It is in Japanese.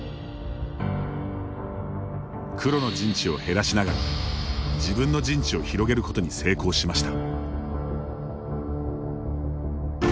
黒の陣地を減らしながら自分の陣地を広げることに成功しました。